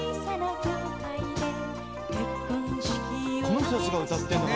この人たちが歌ってんだ。